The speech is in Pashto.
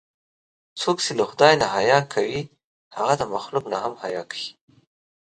څوک چې له خدای نه حیا کوي، هغه د مخلوق نه هم حیا کوي.